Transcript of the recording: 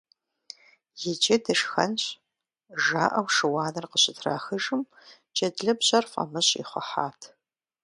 Иджы дышхэнщ! - жаӀэу шыуаныр къыщытрахыжым, джэдлыбжьэр фӀамыщӀ ихъухьат.